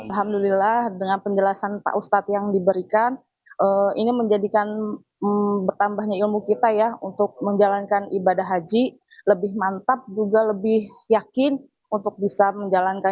alhamdulillah dengan penjelasan pak ustadz yang diberikan ini menjadikan bertambahnya ilmu kita ya untuk menjalankan ibadah haji lebih mantap juga lebih yakin untuk bisa menjalankan